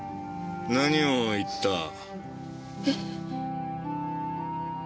何を言った？え？